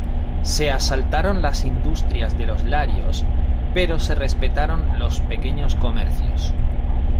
Se asaltaron las industrias de los Larios, pero se respetaron los pequeños comercios.